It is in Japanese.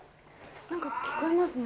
何か聞こえますね。